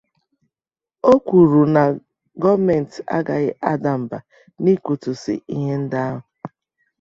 o kwuru na gọọmenti agaghị ada mbà n'ịkụtusi ihe ndị ahụ